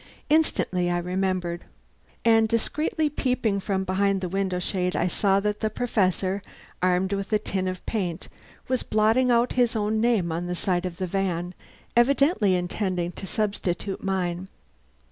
Instantly I remembered. And discreetly peeping from behind the window shade I saw that the Professor, armed with a tin of paint, was blotting out his own name on the side of the van, evidently intending to substitute mine.